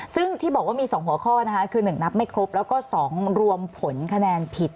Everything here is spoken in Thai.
ซึ่งที่บอกว่ามี๒หัวข้อนะคะคือ๑นับไม่ครบแล้วก็๒รวมผลคะแนนผิด